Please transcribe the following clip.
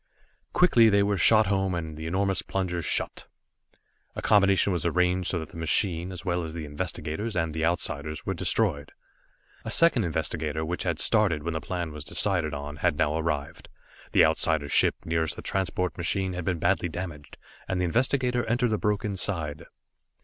Quickly they were shot home, and the enormous plungers shut. A combination was arranged so that the machine, as well as the investigator and the Outsiders, were destroyed. A second investigator, which had started when the plan was decided on, had now arrived. The Outsider's ship nearest the transport machine had been badly damaged, and the investigator entered the broken side.